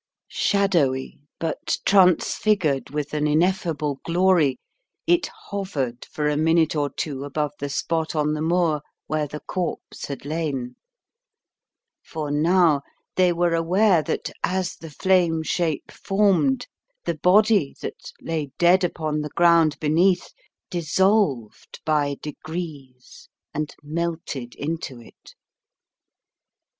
Shadowy, but transfigured with an ineffable glory, it hovered for a minute or two above the spot on the moor where the corpse had lain; for now they were aware that as the flame shape formed, the body that lay dead upon the ground beneath dissolved by degrees and melted into it.